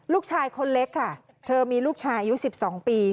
ลูกชายคนเล็กค่ะเธอมีลูกชายอายุ๑๒ปี